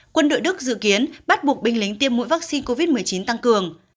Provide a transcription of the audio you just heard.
quân đội đức dự kiến bắt buộc binh lính tiêm mũi vaccine covid một mươi chín tăng cường